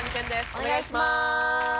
お願いします！